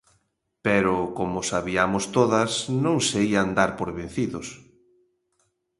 Pero, como sabiamos todas, non se ían dar por vencidos.